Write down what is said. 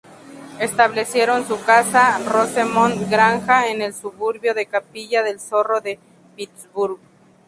Establecieron su casa, Rosemont Granja, en el suburbio de Capilla del Zorro de Pittsburgh.